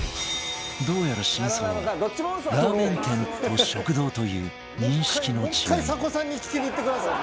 どうやら真相は「ラーメン店」と「食堂」という認識の違い